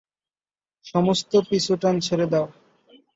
সমস্ত পিছুটান ছেঁড়ে দাও।